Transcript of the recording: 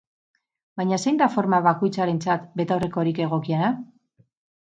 Baina zein da forma bakoitzarentzat betaurrekorik egokiena?